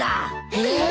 えっ！